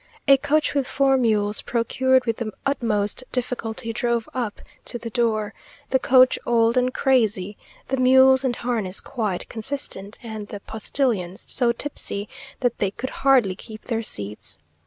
a coach with four mules, procured with the utmost difficulty, drove up to the door; the coach old and crazy, the mules and harness quite consistent, and the postilions so tipsy that they could hardly keep their seats.